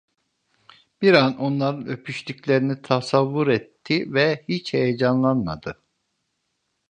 Bir an onların öpüştüklerini tasavvur etti ve hiç heyecanlanmadı.